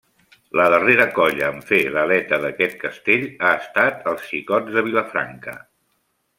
La darrera colla en fer l'aleta d'aquest castell ha estat els Xicots de Vilafranca.